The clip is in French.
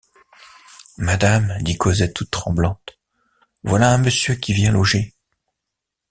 Madame, dit Cosette toute tremblante, voilà un monsieur qui vient loger.